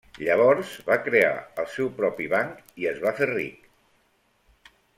Llavors va crear el seu propi banc i es va fer ric.